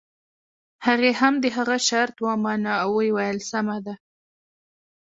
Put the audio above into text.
هغې هم د هغه شرط ومانه او ويې ويل سمه ده.